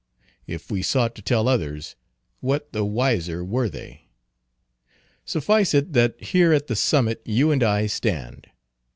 If we sought to tell others, what the wiser were they? Suffice it, that here at the summit you and I stand.